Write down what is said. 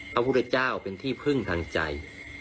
พระพุทธเจ้าเป็นที่พึ่งทางใจ